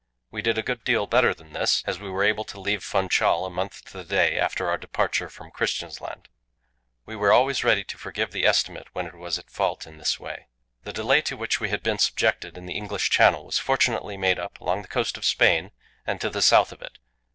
We did a good deal better than this, as we were able to leave Funchal a month to the day after our departure from Christiansand. We were always ready to forgive the estimate when it was at fault in this way. The delay to which we had been subjected in the English Channel was fortunately made up along the coast of Spain and to the south of it.